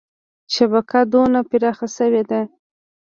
شبکه دونه پراخه شوې ده.